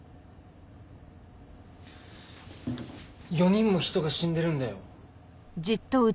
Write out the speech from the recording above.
４人も人が死んでるんだよ。